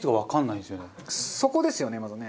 そこですよねまずね。